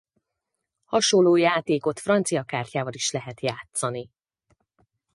Hasonló játékot francia kártyával is lehet játszani.